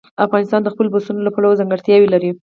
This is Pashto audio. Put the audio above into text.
افغانستان د خپلو پسونو له پلوه ځانګړتیاوې لري.